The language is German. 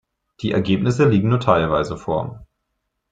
Die Ergebnisse liegen nur teilweise vor.